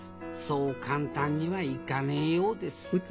そう簡単にはいかねえようです